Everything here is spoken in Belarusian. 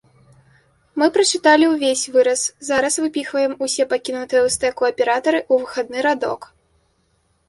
Мы прачыталі ўвесь выраз, зараз выпіхваем усе пакінутыя ў стэку аператары ў выхадны радок.